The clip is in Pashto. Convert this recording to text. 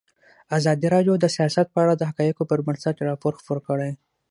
ازادي راډیو د سیاست په اړه د حقایقو پر بنسټ راپور خپور کړی.